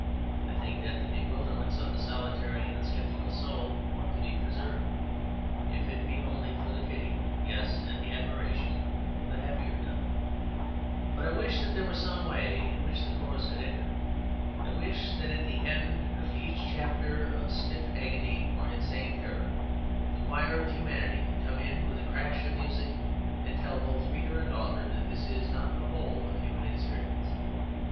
I think that the bewilderments of the solitary and sceptical soul ought to be preserved, if it be only for the pity (yes, and the admiration) of a happier time. But I wish that there were some way in which the chorus could enter. I wish that at the end of each chapter of stiff agony or insane terror the choir of humanity could come in with a crash of music and tell both the reader and the author that this is not the whole of human experience.